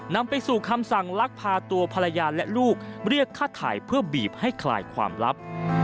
นำไปสู่คำสั่งลักพาตัวภรรยาและลูกเรียกค่าถ่ายเพื่อบีบให้คลายความลับ